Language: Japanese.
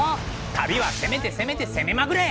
旅は攻めて攻めて攻めまくれ！